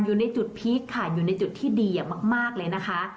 อยู่ในจุดพีคค่ะอยู่ในจุดที่ดีอย่างมากเลยนะคะ